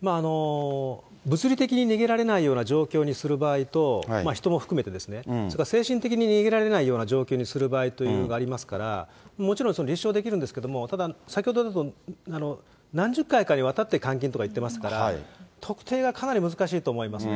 物理的に逃げられないような状況にする場合と、人も含めて、精神的に逃げられないような状況にする場合というのがありますから、もちろん立証できるんですけれども、ただ、先ほどだと、何十回かにわたって監禁とかいってますから、特定がかなり難しいと思いますね。